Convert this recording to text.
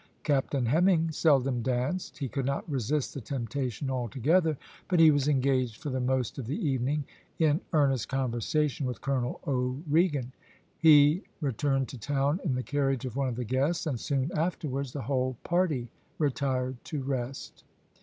Captain Hemming seldom danced. He could not resist the temptation altogether, but he was engaged for the most of the evening in earnest conversation with Colonel O'Regan. He returned to town in the carriage of one of the guests, and soon afterwards the whole party retired to rest.